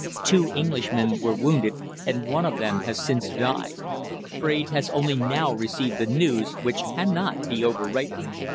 Two Englishmen were wounded and one of them has since died. Fraide has only now received the news which cannot be overrated.